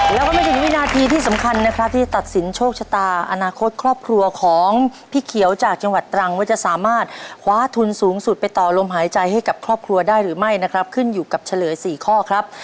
แล้วก็ไม่ถึงวินาทีที่สำคัญนะครับที่ตัดสินโชคชะตาอนาคตครอบครัวของพี่เขียวจากจังหวัดตรังว่าจะสามารถคว้าทุนสูงสุดไปต่อลมหายใจให้กับครอบครัวได้หรือไม่นะครับขึ้นอยู่กับเฉลย๔ข้อครับ